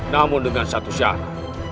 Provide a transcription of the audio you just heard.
namun dengan satu syarat